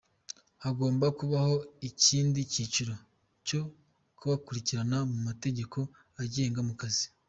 Hagomba kubaho ikindi cyiciro cyo kubakurikirana mu mategeko abagenga mu kazi.